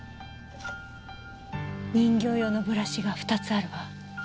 人形用のブラシが２つあるわ。